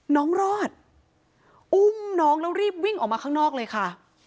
น้องลอดน้องเรารีบวิ่งออกมาข้างนอกเลยค่ะ